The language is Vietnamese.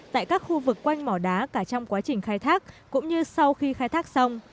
tại các khu vực quanh mỏ đá cả trong quá trình khai thác cũng như sau khi khai thác xong